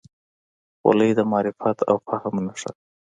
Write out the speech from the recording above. خولۍ د معرفت او فهم نښه ده.